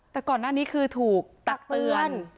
แต่ก่อนหน้านี้คือถูกตักเตือน